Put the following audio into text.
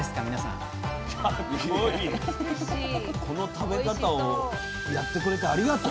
この食べ方をやってくれてありがとう。